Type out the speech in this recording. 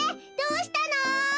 どうしたの？